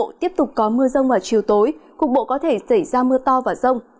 trưa chiều tiếp tục có mưa rông vào chiều tối cục bộ có thể xảy ra mưa to vào rông